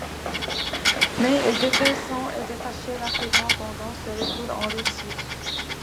Mais il devait s'en détacher rapidement pendant son retour en Russie.